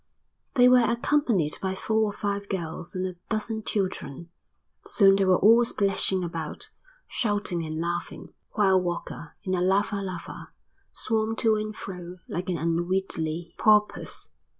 They were accompanied by four or five girls and a dozen children. Soon they were all splashing about, shouting and laughing, while Walker, in a lava lava, swam to and fro like an unwieldy porpoise.